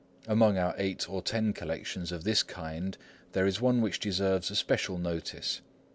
Among our eight or ten collections of this kind, there is one which deserves a special notice.